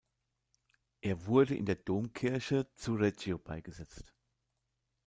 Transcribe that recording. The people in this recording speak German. Er wurde in der Domkirche zu Reggio beigesetzt.